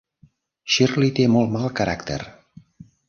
Shirley té molt mal caràcter.